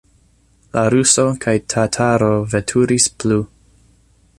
La ruso kaj tataro veturis plu.